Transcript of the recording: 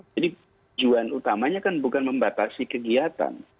tujuan utamanya kan bukan membatasi kegiatan